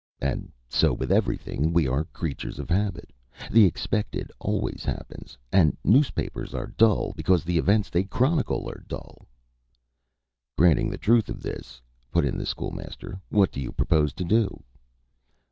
"And so with everything. We are creatures of habit. The expected always happens, and newspapers are dull because the events they chronicle are dull." "Granting the truth of this," put in the School Master, "what do you propose to do?"